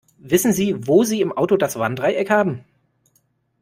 Wissen Sie, wo Sie im Auto das Warndreieck haben?